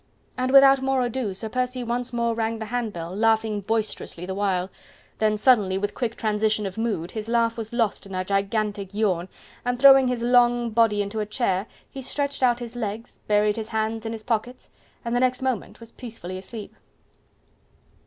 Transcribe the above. And without more ado Sir Percy once more rang the handbell, laughing boisterously the while: then suddenly, with quick transition of mood, his laugh was lost in a gigantic yawn, and throwing his long body onto a chair, he stretched out his legs, buried his hands in his pockets, and the next moment was peacefully asleep.